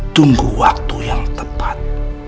tunggu waktu yang tepat